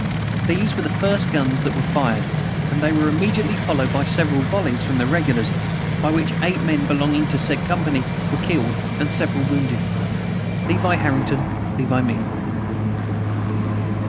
These were the first guns that were fired, and they were immediately followed by several volleys from the regulars, by which eight men belonging to said company were killed, and several wounded. "LEVI HARRINGTON, LEVI MEAD."